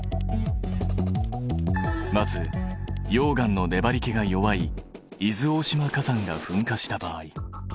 まず溶岩のねばりけが弱い伊豆大島火山が噴火した場合。